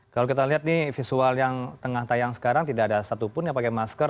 kalau kita lihat nih visual yang tengah tayang sekarang tidak ada satupun yang pakai masker